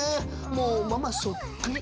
もうママそっくり。